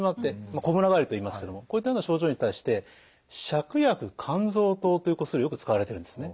こむら返りといいますけどもこういったような症状に対して芍薬甘草湯というお薬よく使われてるんですね。